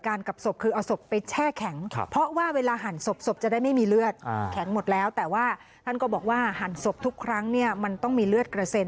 แข็งหมดแล้วแต่ว่าท่านก็บอกว่าหั่นศพทุกครั้งมันต้องมีเลือดกระเซ็น